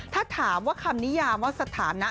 ถ้าถามว่าคำนิยามว่าสถานะ